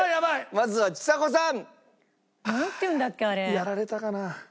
まずはちさ子さん。